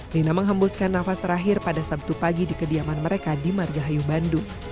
lina menghembuskan nafas terakhir pada sabtu pagi di kediaman mereka di margahayu bandung